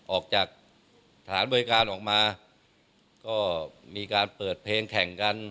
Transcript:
ออกจากฐานบริการออกมาก็มีการเปิดเพลงแข่งกัน